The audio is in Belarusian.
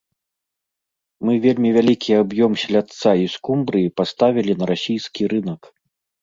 Мы вельмі вялікі аб'ём селядца і скумбрыі паставілі на расійскі рынак.